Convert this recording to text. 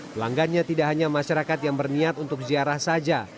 pelanggannya tidak hanya masyarakat yang berniat untuk ziarah saja